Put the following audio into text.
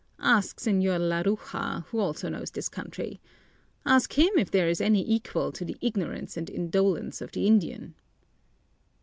Ask Señor Laruja, who also knows this country. Ask him if there is any equal to the ignorance and indolence of the Indian."